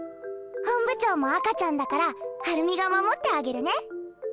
本部長も赤ちゃんだからハルミが守ってあげるね。